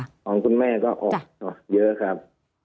ของคุณแม่ก็ออกเยอะครับ